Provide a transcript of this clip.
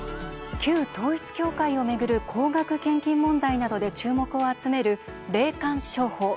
旧統一教会を巡る高額献金問題などで注目を集める霊感商法。